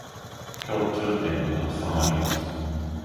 共通点がたくさんあります